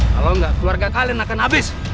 kalau enggak keluarga kalian akan habis